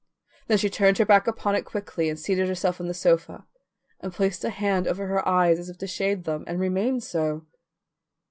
Then she turned her back upon it quickly and seated herself on the sofa, and placed a hand over her eyes as if to shade them, and remained so.